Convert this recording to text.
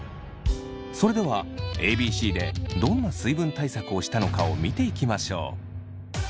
それではＡＢＣでどんな水分対策をしたのかを見ていきましょう。